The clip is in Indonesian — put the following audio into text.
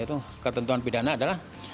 yaitu ketentuan pidana adalah